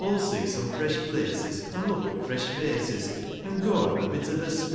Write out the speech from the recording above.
Aw'll see some fresh places, An' look at fresh faces, — An' go have a bit ov a spree